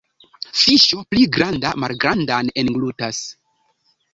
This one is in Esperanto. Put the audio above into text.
Fiŝo pli granda malgrandan englutas.